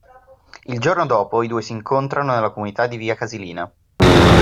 Il giorno dopo i due si incontrano nella comunità di via Casilina.